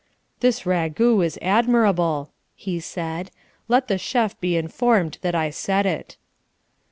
"This ragout is admirable," he said. "Let the chef be informed that I said it."